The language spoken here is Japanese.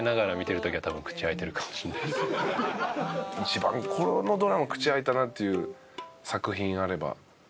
一番このドラマ口開いたなっていう作品あれば。